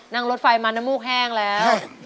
นั่งรถไฟมาน้ำมูกแห้งแล้ว